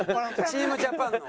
チームジャパンの？